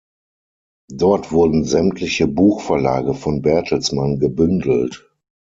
Dort wurden sämtliche Buchverlage von Bertelsmann gebündelt.